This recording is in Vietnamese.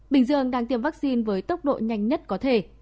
bình dương đang tiêm vaccine với tốc độ nhanh nhất có thể